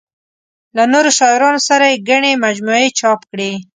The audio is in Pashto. له نورو شاعرانو سره یې ګڼې مجموعې چاپ کړې.